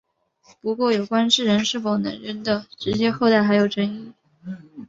不过有关智人是否能人的直接后代还有争议。